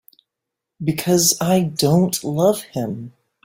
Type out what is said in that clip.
Because I don't love him.